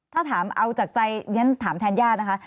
ถ้าถามเอาจากใจถามแทนแย่นะคะ